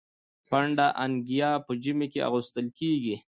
پنډه انګيا په ژمي کي اغوستل کيږي.